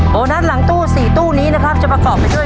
โบนัสหลังตู้๔ตู้นี้นะครับจะประกอบไปด้วย